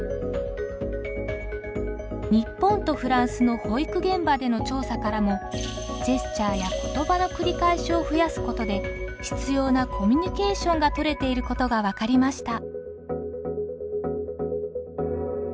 日本とフランスの保育現場での調査からもジェスチャーや言葉の繰り返しを増やすことで必要なコミュニケーションがとれていることが分かりました。